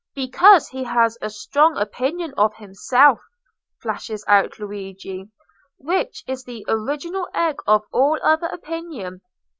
'Because he has a strong opinion of himself,' flashes out Luigi, which is the original egg of all other opinion.